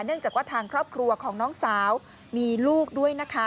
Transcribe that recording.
จากว่าทางครอบครัวของน้องสาวมีลูกด้วยนะคะ